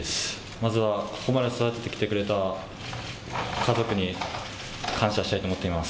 まずはここまで育ててきてくれた家族に感謝したいと思っています。